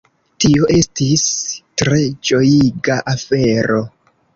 Tio estis tre ĝojiga afero.